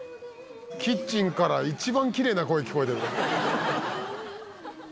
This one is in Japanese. キッチンから一番きれいな声聞こえてる。